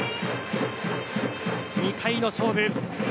２回の勝負。